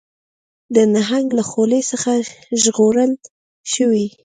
د نهنګ له خولې څخه ژغورل شوي